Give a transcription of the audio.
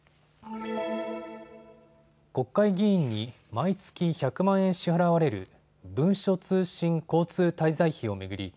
国会議員に毎月１００万円支払われる文書通信交通滞在費を巡り